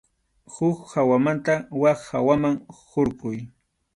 Huk hawamanta wak hawaman hurquy.